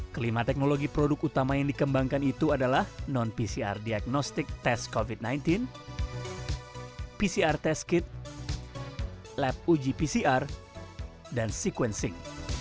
kelima teknologi produk utama yang dikembangkan itu adalah non pcr diagnostic test covid sembilan belas pcr test kit lab uji pcr dan sequencing